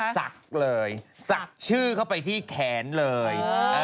ซักเลยซักชื่อเขาไปที่แขนเลย